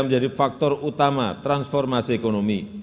menjadi faktor utama transformasi ekonomi